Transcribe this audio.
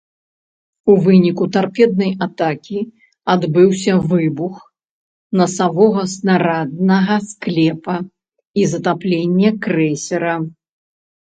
У выніку тарпеднай атакі адбыўся выбух насавога снараднага склепа і затапленне крэйсера.